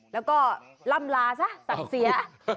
แล้วก็ล่ำลาซะสั่งเสีย